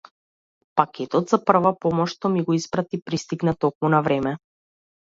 Пакетот за прва помош што ми го испрати пристигна токму на време.